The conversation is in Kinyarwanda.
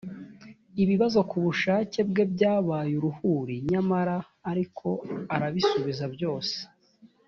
ibibazo ku bushake bwe byabaye uruhuri nyamara ariko arabisubiza byose